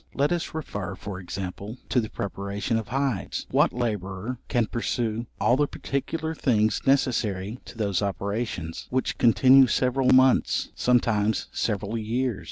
Let us refer, for example, to the preparation of hides: what labourer can pursue all the particular things necessary to those operations, which continue several months, sometimes several years?